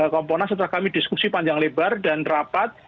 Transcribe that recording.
komponas setelah kami diskusi panjang lebar dan rapat